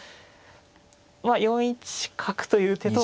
まあ４一角という手と。